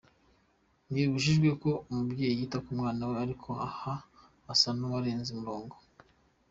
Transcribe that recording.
Ntibibujijwe ko umubyeyi yita ku mwana we ariko aha asa n’ uwarenze umurongo.